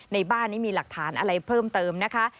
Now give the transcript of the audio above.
ในบ้านนี้มีหลักฐานอะไรเพิ่มเติมนะคะ